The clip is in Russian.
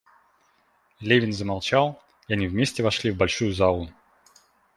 Левин замолчал, и они вместе вошли в большую залу.